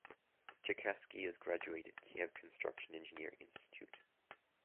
Cherkassky has graduated Kiev Construction Engineering Institute.